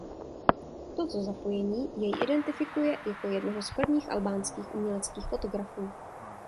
Toto zapojení jej identifikuje jako jednoho z prvních albánských uměleckých fotografů.